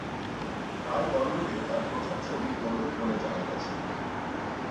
রাই বলিউডে তার প্রথম ছবি করবেন বলে জানা গেছে।